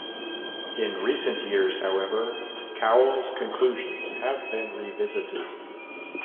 In recent years however, Cowles' conclusions have been revisited.